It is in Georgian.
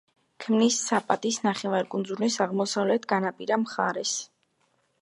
ქმნის საპატის ნახევარკუნძულის აღმოსავლეთ განაპირა მხარეს.